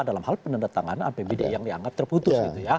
dalam hal peneretangan apbd yang dianggap terputus